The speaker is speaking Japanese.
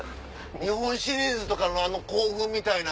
日本シリーズとかのあの興奮みたいな。